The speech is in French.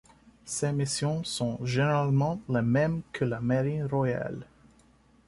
Ses missions sont généralement les mêmes que la marine royale.